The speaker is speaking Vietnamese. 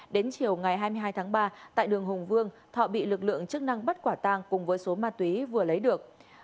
đến chiều ngày hai mươi hai tháng ba tại đường hùng vương thọ bị lực lượng chức năng bắt quả tang cùng với số ma túy vừa lấy được